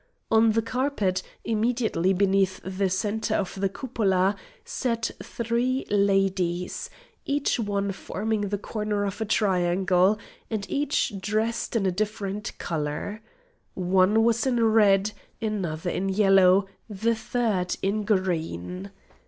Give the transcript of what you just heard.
On the carpet, immediately beneath the centre of the cupola, sat three ladies, each one forming the corner of a triangle, and each dressed in a different colour. One was in red, another in yellow, the third in green.